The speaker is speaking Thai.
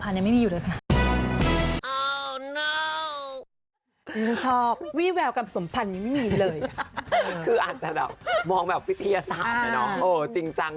ที่เอ็ดของอินทรอยู่ต่อแบบบ้าน